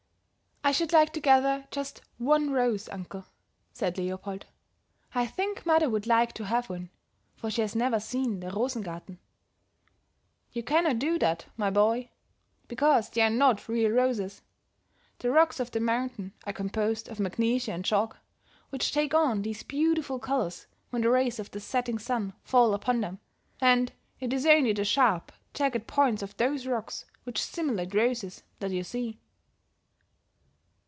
"I should like to gather just one rose, uncle," said Leopold. "I think mother would like to have one, for she has never seen the Rosengarten." "You cannot do that, my boy, because they are not real roses; the rocks of the mountain are composed of magnesia and chalk, which take on these beautiful colors when the rays of the setting sun fall upon them; and it is only the sharp, jagged points of those rocks which simulate roses, that you see."